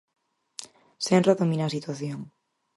Senra domina a situación.